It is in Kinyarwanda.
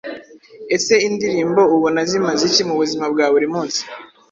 Ese indirimbo ubona zimaze iki mu buzima bwa buri munsi?